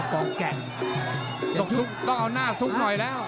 ต้องเอาหน้าซุปหน่อยแล้ว